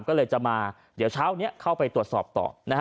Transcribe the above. ก็เลยจะมาเดี๋ยวเช้านี้เข้าไปตรวจสอบต่อ